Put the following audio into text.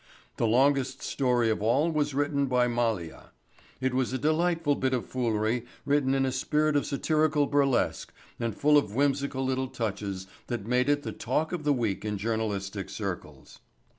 The longest story of all was written by Malia. It was a delightful bit of foolery written in a spirit of satirical burlesque and full of whimsical little touches that made it the talk of the week in journalistic circles.